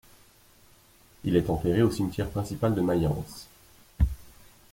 Il est enterré au cimetière principal de Mayence.